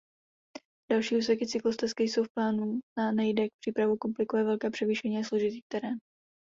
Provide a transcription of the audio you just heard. Další úseky cyklostezky jsou v plánu na Nejdek.Přípravu komplikuje velké převýšení a složitý terén.